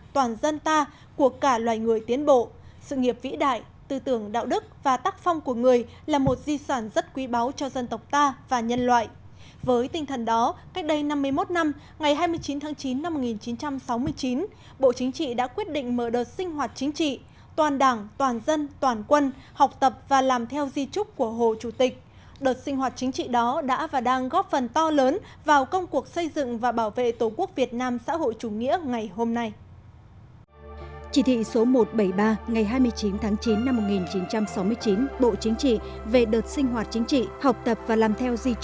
thưa quý vị và các bạn tháng chín năm một nghìn chín trăm sáu mươi chín chủ tịch hồ chí minh qua đời